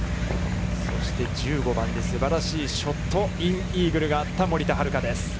そして１５番で、すばらしいショットインイーグルがあった森田遥です。